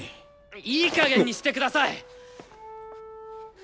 いいかげんにしてください！